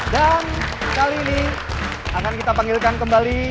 dan kali ini akan kita panggilkan kembali